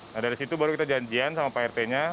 nah dari situ baru kita janjian sama pak rt nya